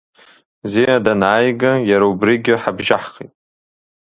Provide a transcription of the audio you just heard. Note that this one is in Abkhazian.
Мзиа данааига иара убрыгьы ҳабжьаҳхит.